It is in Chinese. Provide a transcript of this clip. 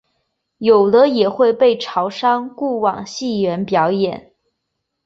有的也会被潮商雇往戏园表演。